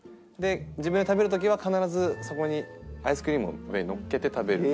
自分が食べる時は必ずそこにアイスクリームを上にのっけて食べる。